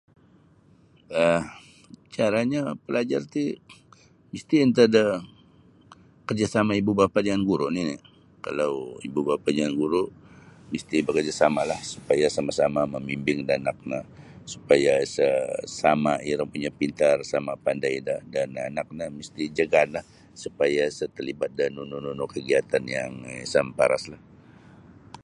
um Caranyo palajar ti misti antad da kerjasama ibu bapa jangan guru nini kalau ibu bapa jangan guru misti bekerjasamalah supaya sama-sama mambimbing da anak no supaya sa sama iro punyo pintar sama pandai do dan anak no misti jagaan do supaya isa terlibat da nunu-nunu kegiatan yang sa maparaslah.